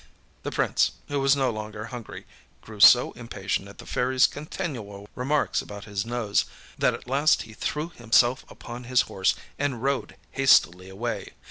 â The Prince, who was no longer hungry, grew so impatient at the Fairyâs continual remarks about his nose that at last he threw himself upon his horse and rode hastily away.